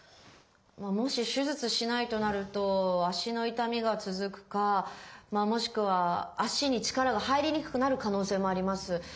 まあもし手術しないとなると脚の痛みが続くかまあもしくは脚に力が入りにくくなる可能性もあります。